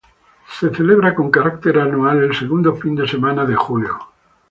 Se celebra con carácter anual, el segundo fin de semana de julio.